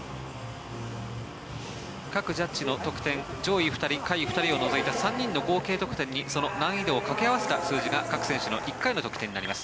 各ジャッジの得点上位２人下位２人の得点を除いて３人の合計得点にその難易度を掛け合わせた数字が各選手の１回の得点になります。